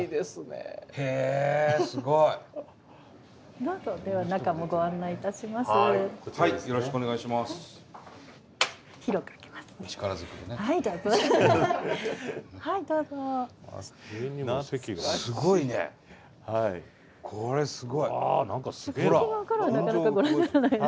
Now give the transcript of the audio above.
すごいね。